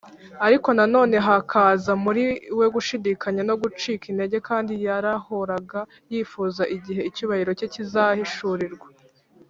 . Ariko na none hakaza muri we gushidikanya no gucika intege, kandi yarahoraga yifuza igihe icyubahiro cye kizahishurirwa